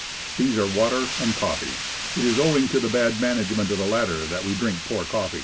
These are water and coffee. It is owing to the bad management of the latter that we drink poor coffee.